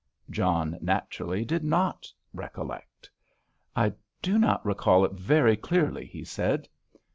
John, naturally, did not recollect. "I do not recall it very clearly," he said.